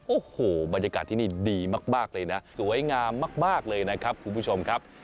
โอ้โหบรรยากาศที่นี่ดีมากเลยนะสวยงามมากเลยนะครับคุณผู้ชมครับ